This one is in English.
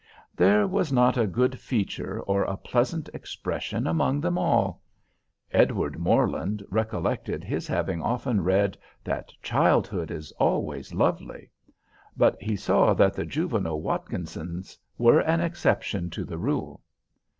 There was not a good feature or a pleasant expression among them all. Edward Morland recollected his having often read "that childhood is always lovely." But he saw that the juvenile Watkinsons were an exception to the rule.